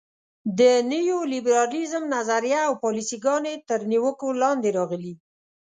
د نیولیبرالیزم نظریه او پالیسي ګانې تر نیوکو لاندې راغلي.